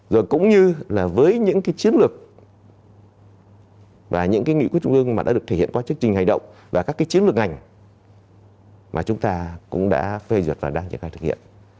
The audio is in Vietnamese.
rồi cũng như là với những cái chiến lược và những cái nghị quyết trung ương mà đã được thể hiện qua chương trình hành động và các cái chiến lược ngành mà chúng ta cũng đã phê duyệt và đang triển khai thực hiện